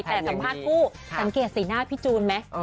แต่สัมภาษณ์ผู้สังเกตสีหน้าพี่จูนไหม